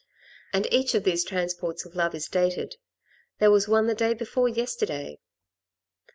And each of these transports of love is dated. There was one the day before yesterday."